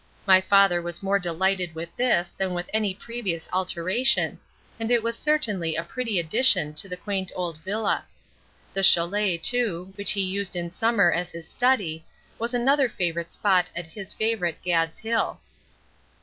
My father was more delighted with this than with any previous alteration, and it was certainly a pretty addition to the quaint old villa. The châlet, too, which he used in summer as his study, was another favorite spot at his favorite "Gad's Hill."